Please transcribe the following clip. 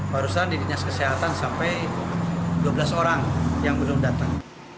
barusan di dinas kesehatan sampai dua belas orang yang belum datang